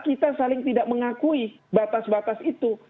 kita saling tidak mengakui batas batas itu